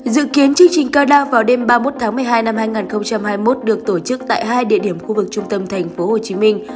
dự kiến chương trình cao đao vào đêm ba mươi một tháng một mươi hai năm hai nghìn hai mươi một được tổ chức tại hai địa điểm khu vực trung tâm thành phố hồ chí minh